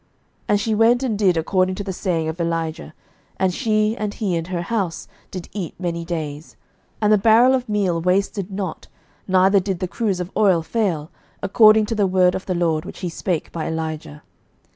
11:017:015 And she went and did according to the saying of Elijah: and she, and he, and her house, did eat many days. 11:017:016 And the barrel of meal wasted not, neither did the cruse of oil fail, according to the word of the LORD, which he spake by Elijah.